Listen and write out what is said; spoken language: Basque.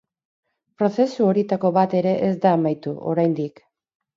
Prozesu horietako bat ere ez da amaitu, oraindik.